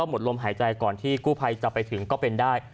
หมดลมหายใจก่อนที่กู้ภัยจะไปถึงก็เป็นได้